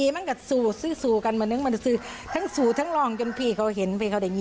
มันก็สู่สู่สู่กันเหมือนทั้งสู่ทั้งร่องจนพี่เขาเห็นพี่เขาได้ยินค่ะ